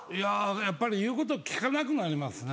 やっぱり言うこと聞かなくなりますね。